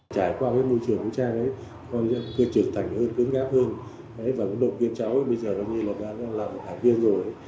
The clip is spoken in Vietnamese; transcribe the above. trải qua môi trường của cha con đã trưởng thành hơn cứng gáp hơn và đột kiếp cháu bây giờ nó như là đã làm một tháng viên rồi